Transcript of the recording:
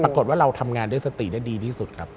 ปรากฏว่าเราทำงานด้วยสติได้ดีที่สุดครับ